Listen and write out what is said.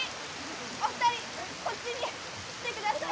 お二人こっちに来てください